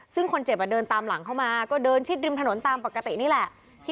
ซึ่งคนเจ็บเดินตามหลังเข้ามาก็เดินชิดริมถนนตามปกตินี่แหละ